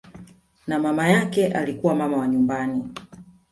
Na mama yake alikuwa mama wa nyumbani